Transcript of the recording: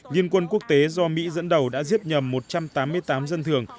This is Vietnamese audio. liên quân quốc tế do mỹ dẫn đầu đã giết nhầm một trăm tám mươi tám dân thường